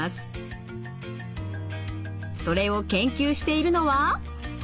それを研究しているのは。